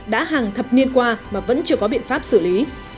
đã hàng thập niên qua mà vẫn chưa có biện pháp xử lý